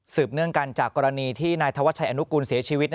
เนื่องกันจากกรณีที่นายธวัชชัยอนุกูลเสียชีวิต